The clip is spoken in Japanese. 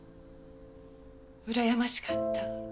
うらやましかった。